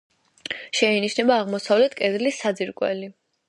შეინიშნება აღმოსავლეთ კედლის საძირკველი.